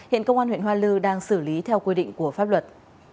hiện công an huyện hoa lư đang xử lý theo quy định của pháp luật